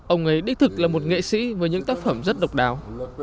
ông ấy đích thực là một nghệ sĩ với những tác phẩm rất độc đáo